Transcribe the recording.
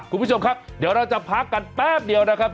คุณผู้ชมครับเดี๋ยวเราจะพักกันแป๊บเดียวนะครับ